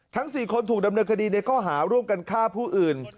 ทั้ง๔คนถูกดำเนินคดีในข้อหาร่วมกันฆ่าผู้อื่น